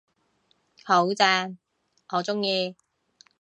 好正，我鍾意